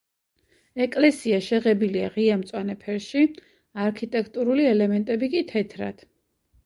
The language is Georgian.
ეკლესია შეღებილია ღია მწვანე ფერში, არქიტექტურული ელემენტები კი თეთრად.